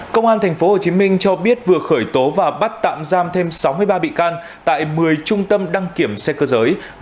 công an tp hcm cho biết vừa khởi tố và bắt tạm giam thêm sáu mươi ba bị can tại một mươi trung tâm đăng kiểm xe cơ giới